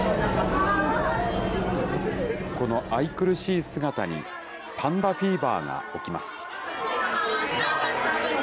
この愛くるしい姿に、パンダフィーバーが起きます。